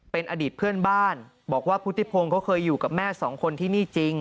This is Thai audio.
เป็นอดีตเพื่อนบ้านบอกว่าพุทธิพงศ์เขาเคยอยู่กับแม่สองคนที่นี่จริง